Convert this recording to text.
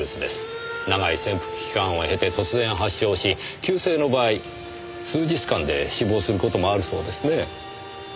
長い潜伏期間を経て突然発症し急性の場合数日間で死亡する事もあるそうですねえ。